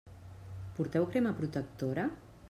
Porteu crema protectora?